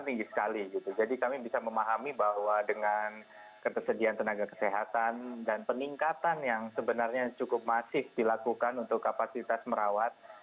tinggi sekali gitu jadi kami bisa memahami bahwa dengan ketersediaan tenaga kesehatan dan peningkatan yang sebenarnya cukup masif dilakukan untuk kapasitas merawat